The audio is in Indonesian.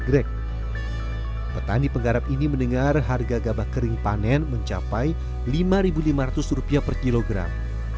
petani penggarap ini mendengar harga gabah kering panen mencapai rp lima lima ratus per kilogram